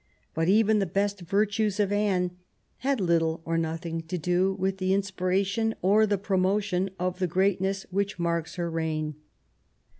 But even the best virtues of Anne had little or nothing to do with the inspiration or the promotion of the great ness which marks her reign.